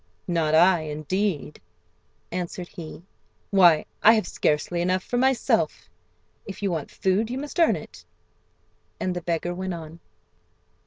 "Not I, indeed!" answered he; "why I have scarcely enough for myself. If you want food you must earn it." And the beggar went on.